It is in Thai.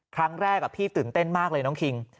ครั้งแรกพี่ตื่นเต้นมากเลยน้องคิง